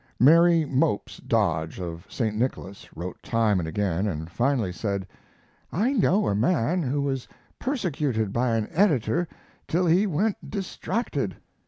Mary Mopes Dodge, of St. Nicholas, wrote time and again, and finally said: "I know a man who was persecuted by an editor till he went distracted."